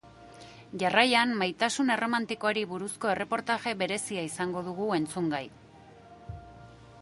Jarraian, maitasun erromantikoari buruzko erreportaje berezia izango dugu entzungai.